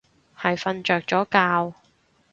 係瞓着咗覺